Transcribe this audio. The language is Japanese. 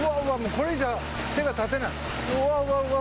これ以上立てない。